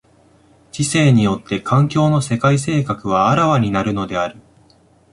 知性によって環境の世界性格は顕わになるのである。